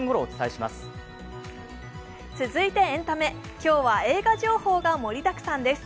続いてエンタメ、今日は映画情報が盛りだくさんです。